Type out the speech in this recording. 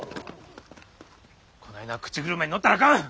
こないな口車に乗ったらあかん。